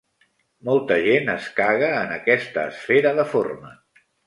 Molta gent es caga en aquesta esfera deforme.